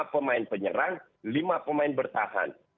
empat pemain penyerang lima pemain bertahan